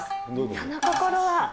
その心は？